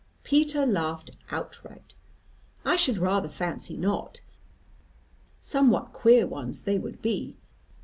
Peter laughed outright. "I should rather fancy not. Somewhat queer ones they would be.